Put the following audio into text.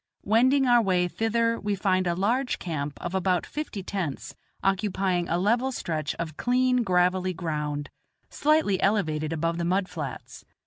Wending our way thither we find a large camp of about fifty tents occupying a level stretch of clean gravelly ground, slightly elevated above the mud flats.